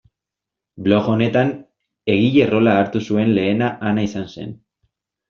Blog honetan egile rola hartu zuen lehena Ana izan zen.